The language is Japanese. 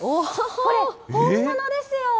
これ、本物ですよ。